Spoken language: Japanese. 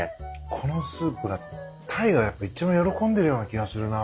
このスープがタイがやっぱり一番喜んでるような気がするな。